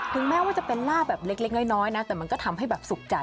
แม้ว่าจะเป็นล่าแบบเล็กน้อยนะแต่มันก็ทำให้แบบสุขใจ